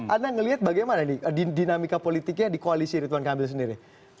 anda melihat bagaimana nih dinamika politiknya di koalisi rituan kamil sendiri